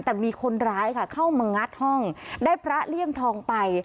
แต่มีคนร้ายค่ะเข้ามางัดห้องได้พระเลี่ยมทองไป